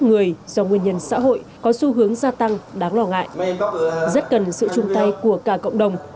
người do nguyên nhân xã hội có xu hướng gia tăng đáng lo ngại rất cần sự chung tay của cả cộng đồng